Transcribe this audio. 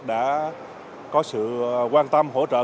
đã có sự quan tâm hỗ trợ